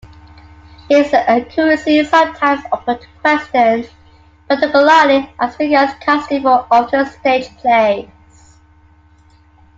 His accuracy is sometimes open to question, particularly as regards casting for often-staged plays.